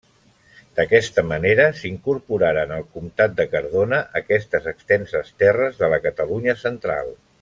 D'aquesta manera s'incorporaren al comtat de Cardona aquestes extenses terres de la Catalunya central.